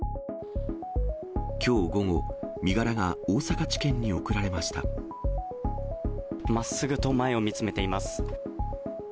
きょう午後、まっすぐと前を見つめています。